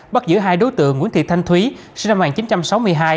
bắt giữ hai đối tượng nguyễn thị thanh thúy sinh năm một nghìn chín trăm sáu mươi hai